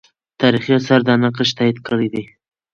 تاریخي آثار دا نقش تایید کړی دی.